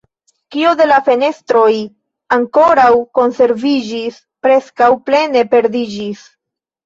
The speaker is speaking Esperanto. Kio de la fenestroj ankoraŭ konserviĝis, preskaŭ plene perdiĝis.